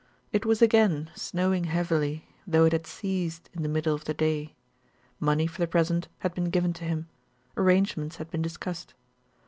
It was again snowing heavily, though it had ceased in the middle of the day. Money for the present had been given to him; arrangements had been discussed.